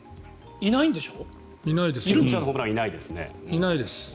いないですよ。